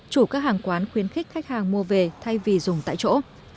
chủ các hàng quán khuyến khích khách hàng mua về thay vì dùng tại chỗ